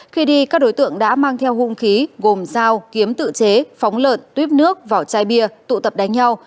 khi đi các đối tượng đã mang theo hung khí gồm dao kiếm tự chế phóng lợn tuyếp nước vỏ chai bia tụ tập đánh nhau